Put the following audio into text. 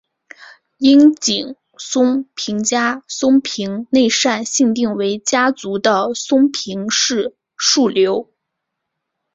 樱井松平家松平内膳信定为家祖的松平氏庶流。